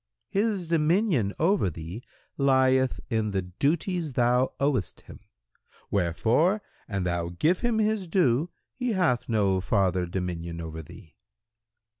"—"His dominion over thee lieth in the duties thou owest him; wherefore, an thou give him his due, he hath no farther dominion over thee."